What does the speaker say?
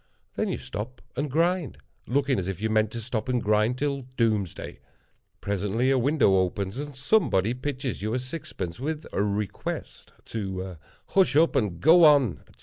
Then you stop and grind; looking as if you meant to stop and grind till doomsday. Presently a window opens, and somebody pitches you a sixpence, with a request to "Hush up and go on," etc.